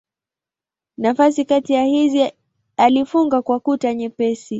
Nafasi kati ya hizi alifunga kwa kuta nyepesi.